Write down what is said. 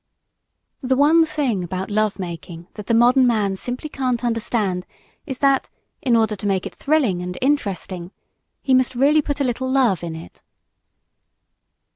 The one thing about love making that the modern man simply can't understand is that, in order to make it thrilling and interesting, he must really put a little love in it.